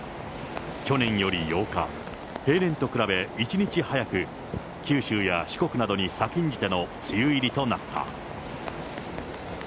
去年より８日、平年と比べ１日早く、九州や四国などに先んじての梅雨入りとなった。